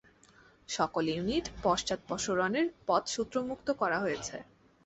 সকল ইউনিট, পশ্চাদপসরণের পথ শত্রুমুক্ত করা হয়েছে।